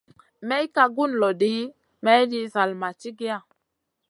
May ka gun lo ɗi, mayɗin zall ma cigiya.